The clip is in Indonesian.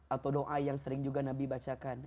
atau doa yang sering juga nabi bacakan